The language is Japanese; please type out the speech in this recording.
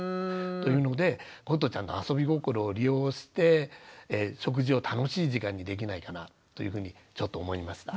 というのでことちゃんの遊び心を利用して食事を楽しい時間にできないかなというふうにちょっと思いました。